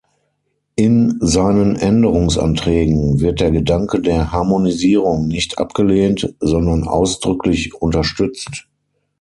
In seinen Änderungsanträgen wird der Gedanke der Harmonisierung nicht abgelehnt, sondern ausdrücklich unterstützt.